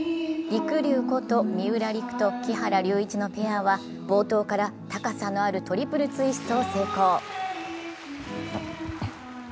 りくりゅうこと三浦璃来と木原龍一のペアは冒頭から高さのあるトリプルツイストを成功。